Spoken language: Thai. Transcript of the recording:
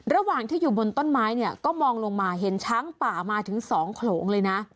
ระหว่างที่อยู่บนต้นไม้เนี่ยก็มองลงมาเห็นช้างป่ามาถึงสองโขลงเลยนะ